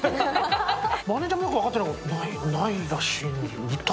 マネージャーもよく分かってなかった、ないらしい歌？